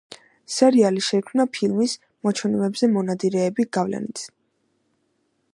სერიალი შეიქმნა ფილმის „მოჩვენებებზე მონადირეები“ გავლენით.